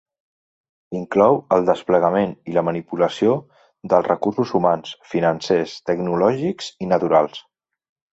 Inclou el desplegament i la manipulació dels recursos humans, financers, tecnològics i naturals.